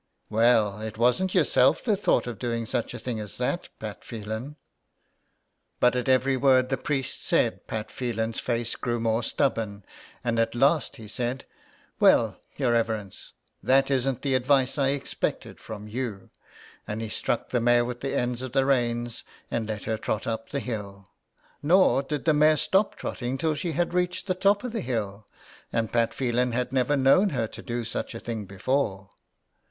'' Well it wasn't yourself that thought of doing such a thing as that, Pat Phelan." 137 THE EXILE. But at every word the priest said Pat Phelan's face grew more stubborn, and at last he said :—" Well, your reverence, that isn't the advice I expected from you," and he struck the mare with the ends of the reins and let her trot up the hill. Nor did the mare stop trotting till she had reached the top of the hill, and Pat Phelan had never known her do such a thing before.